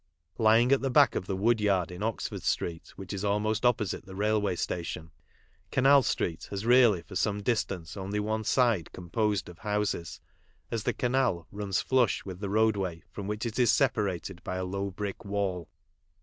Lying at the back of the wood yard in Oxford street, which is almost opposite the railway station, Canal street has really for some distance only one side composed of houses, as the canal runs Hush with the roadway, from which it is separated by a low brick wall.